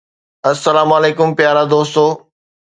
السلام عليڪم پيارا دوستو